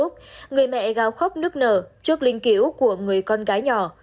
trong một phút người mẹ gào khóc nức nở trước linh cữu của người con gái nhỏ